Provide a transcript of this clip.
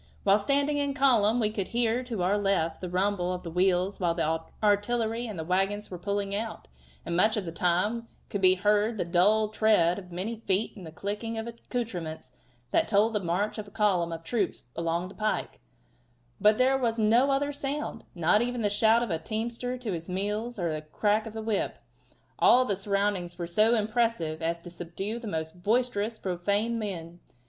While standing in column we could hear to our left the rumble of the wheels while the artillery and the wagons were pulling out, and much of the time could be heard the dull tread of many feet and the clicking of accoutrements that told of the march of a column of troops along the pike, but there was no other sound not even the shout of a teamster to his mules or the crack of a whip. All the surroundings were so impressive as to subdue the most boisterously profane men.